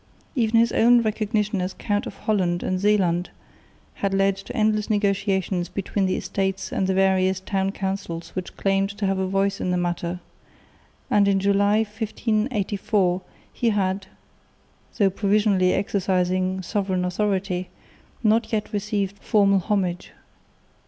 Even his own recognition as Count of Holland and Zeeland had led to endless negotiations between the Estates and the various town councils which claimed to have a voice in the matter; and in July, 1584, he had, though provisionally exercising sovereign authority, not yet received formal homage.